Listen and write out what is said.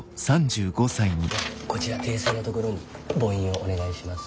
こちら訂正のところにぼ印をお願いします。